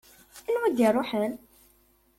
Anwa ad iruḥen?